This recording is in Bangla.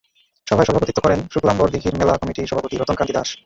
সভায় সভাপতিত্ব করেন শুক্লাম্বর দীঘির মেলা কমিটির সভাপতি রতন কান্তি দাশ।